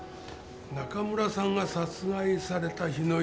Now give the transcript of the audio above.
中村さんが殺害された日の夜は。